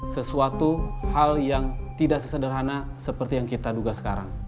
sesuatu hal yang tidak sesederhana seperti yang kita duga sekarang